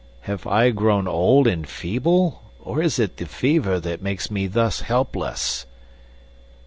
"Have I grown old and feeble, or is it the fever makes me thus helpless?"